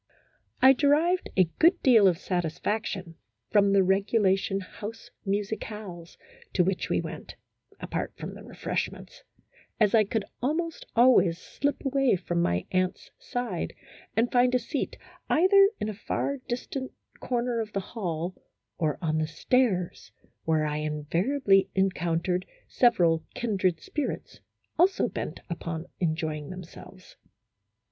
I derived a good deal of satisfaction from the regulation house musicales to which we went (apart from the refreshments), as I could almost always slip away from my aunt's side and find a seat, either in a far distant corner of the hall, or on the stairs, where I invariably encountered several kindred spirits, also bent upon enjoying themselves.